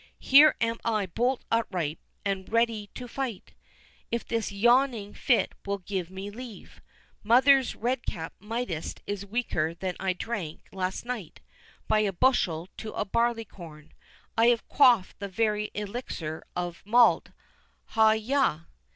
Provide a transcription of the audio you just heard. —Here am I bolt upright, and ready to fight, if this yawning fit will give me leave—Mother Redcap's mightiest is weaker than I drank last night, by a bushel to a barleycorn—I have quaffed the very elixir of malt—Ha—yaw."